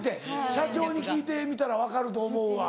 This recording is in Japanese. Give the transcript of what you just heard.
社長に聞いてみたら分かると思うわ。